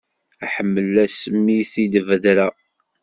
Aḥemmel ass mi i t-id-bedreɣ.